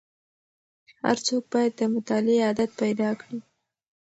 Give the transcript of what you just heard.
هر څوک باید د مطالعې عادت پیدا کړي.